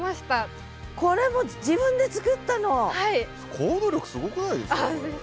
行動力すごくないですかこれ。